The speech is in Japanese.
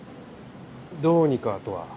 どうにかとは？